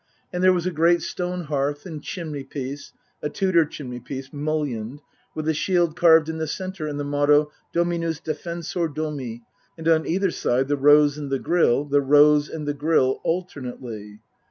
And there was a great stone hearth and chimney piece, a Tudor chimney piece, mullioned, with a shield carved in the centre and the motto :" Dominns Defensor Domi," and on either side the rose and the grille, the rose and the grille, alternately.